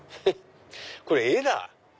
これ絵だ！